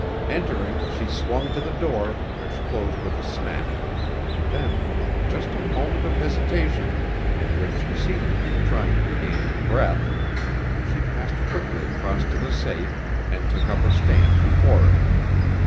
Entering, she swung to the door, which closed with a snap; then, with just a moment of hesitation, in which she seemed to be trying to regain her breath, she passed quickly across to the safe and took up her stand before it.